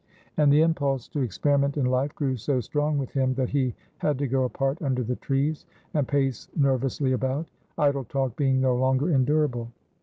And the impulse to experiment in life grew so strong with him, that he had to go apart under the trees, and pace nervously about; idle talk being no longer endurable.